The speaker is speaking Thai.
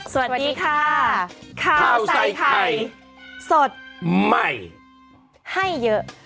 สวัสดีค่ะข้าวใส่ไข่สดใหม่ให้เยอะ